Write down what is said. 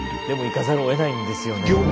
でも行かざるをえないんですよね。